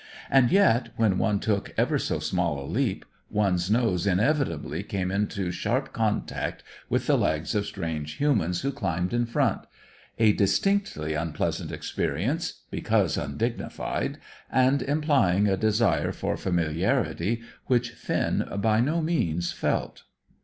And yet, when one took ever so small a leap, one's nose inevitably came into sharp contact with the legs of strange humans who climbed in front; a distinctly unpleasant experience, because undignified, and implying a desire for familiarity which Finn by no means felt.